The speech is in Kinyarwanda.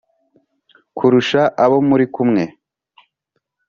kurusha abo muri kumwe